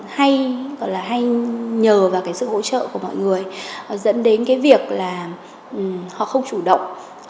họ hay nhờ vào sự hỗ trợ của mọi người dẫn đến việc họ không chủ động